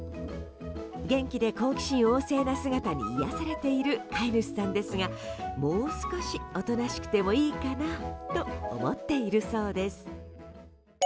元気で好奇心旺盛な姿に癒やされている飼い主さんですがもう少し、おとなしくてもいいかなと思っているそうです。